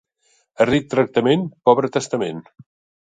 A ric tractament, pobre testament.